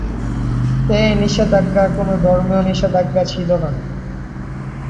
এই নিষেধাজ্ঞা কোনো ধর্মীয় নিষেধাজ্ঞা ছিল না।